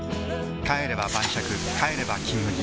帰れば晩酌帰れば「金麦」